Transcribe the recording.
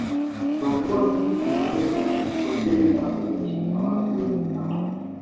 kiongozi anaweza kupoteza maisha ya watu wengi sana